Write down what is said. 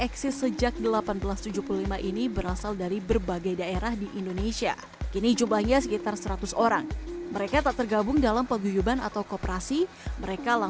terus dari kantor dapat apa